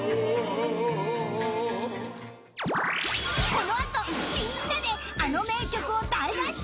［この後みんなであの名曲を大合唱！］